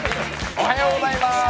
おはようございます。